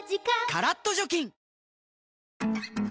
カラッと除菌